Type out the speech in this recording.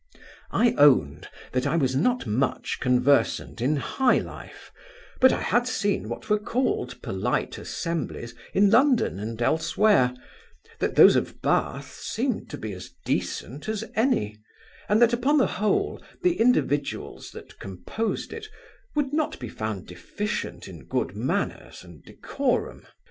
I owned I was not much conversant in high life, but I had seen what were called polite assemblies in London and elsewhere; that those of Bath seemed to be as decent as any; and that, upon the whole, the individuals that composed it, would not be found deficient in good manners and decorum.